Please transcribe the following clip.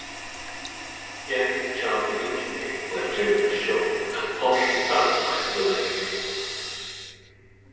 Pianka's childhood injury left him with a short and partially paralyzed leg.